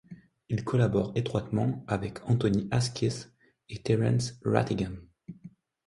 Il collabore étroitement avec Anthony Asquith et Terence Rattigan.